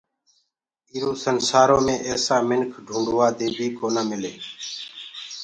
ايٚرو سنسآرو مي ايسآ مِنک ڍوٚنٚڊوادي بيٚ ڪونآ ملي۔